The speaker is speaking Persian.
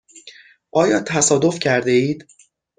آیا تصادف کرده اید؟